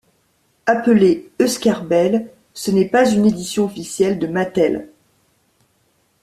Appelé Euskarbel, ce n'est pas une édition officielle de Mattel.